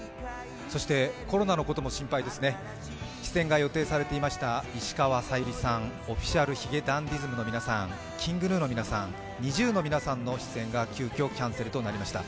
そして、コロナのことも心配ですね出演が予定されていました石川さゆりさん、Ｏｆｆｉｃｉａｌ髭男ｄｉｓｍの皆さん、ＫｉｎｇＧｎｕの皆さん、ＮｉｚｉＵの皆さんの出演が急きょキャンセルとなりました。